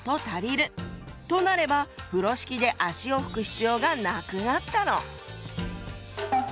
となれば風呂敷で足を拭く必要がなくなったの。